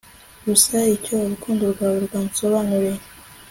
gusa icyo urukundo rwawe rwansobanuriye